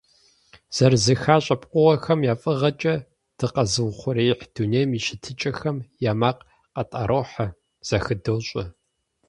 ЗэрызэхащӀэ пкъыгъуэхэм я фӀыгъэкӀэ дыкъэзыухъуреихь дунейм и щытыкӀэхэм я макъ къытӀэрохьэ, зэхыдощӀэ.